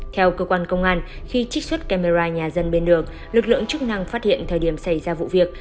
theo cơ quan công an khi trích xuất camera nhà dân bên đường lực lượng chức năng phát hiện thời điểm xảy ra vụ việc